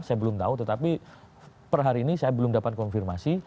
saya belum tahu tetapi per hari ini saya belum dapat konfirmasi